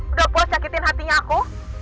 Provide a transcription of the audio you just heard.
udah puas sakitin hatinya aku